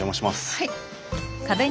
はい。